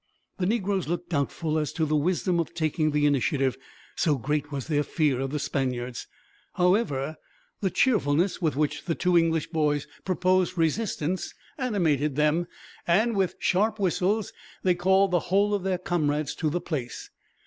The negroes looked doubtful as to the wisdom of taking the initiative, so great was their fear of the Spaniards. However, the cheerfulness with which the two English boys proposed resistance animated them; and, with sharp whistles, they called the whole of their comrades to the place.